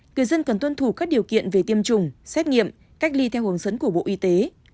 người dân cần tuân thủ các điều kiện về tiêm chủng xét nghiệm cách ly theo hướng dẫn của bộ y tế